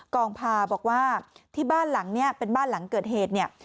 กองพาบอกว่าที่บ้านหลังนี้เป็นบ้านหลังเกิดเหตุเนี่ย